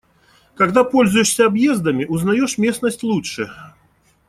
Когда пользуешься объездами, узнаёшь местность лучше.